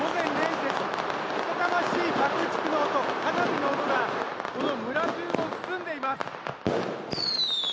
けたたましい爆竹の音花火の音がこの村中を包んでいます。